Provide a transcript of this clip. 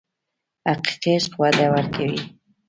حقیقي عشق وده ورکوي.